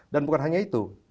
dan bukan hanya itu